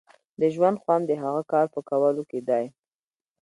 د ژوند خوند د هغه کار په کولو کې دی.